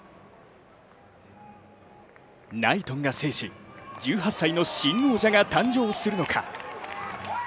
ナイトンが制し、１８歳の新王者が誕生するのか。